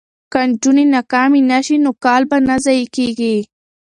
که نجونې ناکامې نه شي نو کال به نه ضایع کیږي.